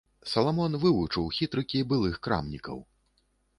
Саламон вывучыў хітрыкі былых крамнікаў.